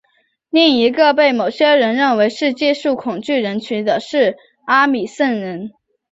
另一个被某些人认为是技术恐惧人群的是阿米什人。